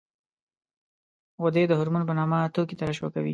غدې د هورمون په نامه توکي ترشح کوي.